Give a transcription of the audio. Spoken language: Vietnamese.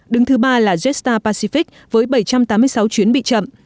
đứng thứ ba là jetstar pacific với bảy trăm tám mươi sáu chuyến bị chậm